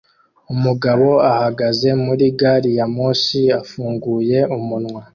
Umugabo ahagaze muri gari ya moshi afunguye umunwa